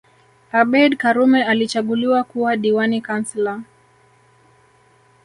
Abeid Karume alichaguliwa kuwa diwani Councillor